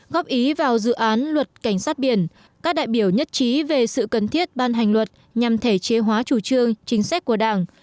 góp ý vào dự án luật cảnh sát biển các đại biểu nhất trí về sự cần thiết ban hành luật nhằm thể chế hóa chủ trương chính sách của đảng